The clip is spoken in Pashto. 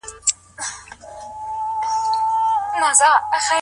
سیاست به په راتلونکي کي د ټولو ګډ کار نه وي.